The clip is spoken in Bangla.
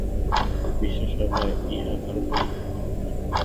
বিশ্বসভায় ইহা ভারতবর্ষের ভূমিকা নয়।